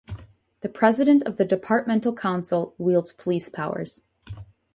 The President of the Departmental Council wields police powers.